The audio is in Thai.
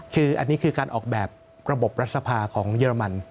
คืออันนี้คือการออกแบบระบบรัฐสภาของเยอรมัน